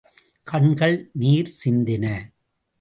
கண்கள் நீர் சிந்தின.